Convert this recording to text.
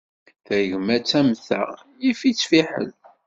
Tagmat am ta, yif-itt fiḥel.